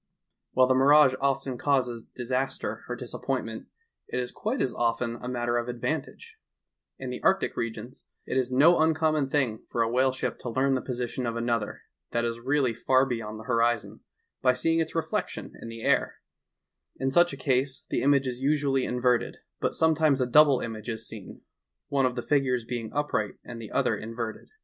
While the mirage often causes disaster or disap pointment, it is quite as often a matter of advan tage. In the arctic regions, it is no uncommon thing for a whale ship to learn the position of another, that is really far beyond the horizon, by image is usually inverted, but sometimes a double 174 THE TALKING HANDKERCHIEF. image is seen, one of the figures being upright and the other inverted.